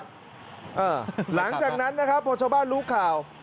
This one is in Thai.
หลังจากนั้นนะครับพอชาวบ้านรู้ข่าว